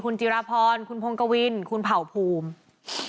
คุณจิราพรคุณพงกวินคุณเผ่าภูมิ